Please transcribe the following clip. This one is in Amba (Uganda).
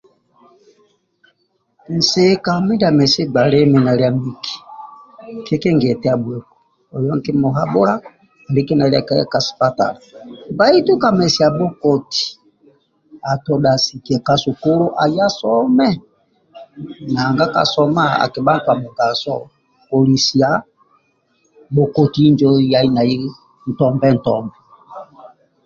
Nsika mindia amesi gba limi kikingiya eti abhueku oyoho nkimuhabhula alike nakiya ka sipatala bbaitu ka mesia bhokoti asikie ka sukulu aye asome nanga ka soma akibha ntua mugaso kolisa bhokoti injo yai nai ntombe-ntombe